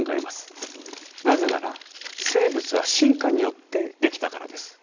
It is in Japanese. なぜなら生物は進化によって出来たからです。